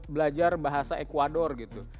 belajar bahasa ecuador gitu